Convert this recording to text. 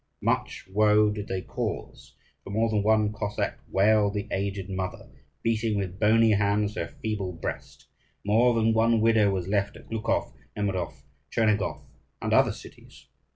Much woe did they cause. For more than one Cossack wailed the aged mother, beating with bony hands her feeble breast; more than one widow was left in Glukhof, Nemirof, Chernigof, and other cities.